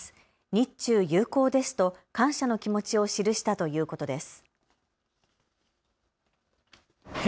日中友好ですと感謝の気持ちを記したということです。